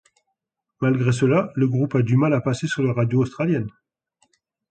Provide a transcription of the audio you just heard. Malgré cela, le groupe a du mal à passer sur les radios australiennes.